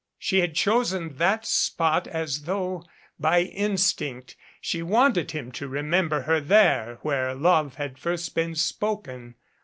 She had chosen that spot as though by instinct. She wanted him to re member her there where love had first been spoken.